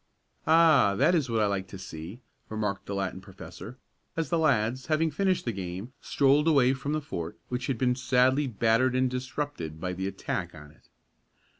"Ah, that is what I like to see," remarked the Latin professor, as the lads, having finished the game, strolled away from the fort which had been sadly battered and disrupted by the attack on it.